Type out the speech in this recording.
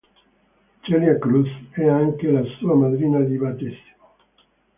Celia Cruz è anche la sua madrina di battesimo.